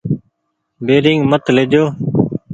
بيرينگ مت ليجو ۔